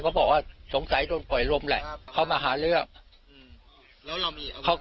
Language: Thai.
เขาบอกว่าสงสัยโดนปล่อยลมแหละเขามาหาเรื่อง